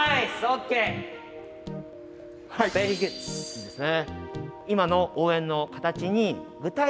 いいですね。